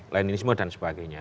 leninisme dan sebagainya